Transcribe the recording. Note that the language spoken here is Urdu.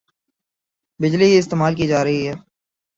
بجلی ہی استعمال کی جارہی ھے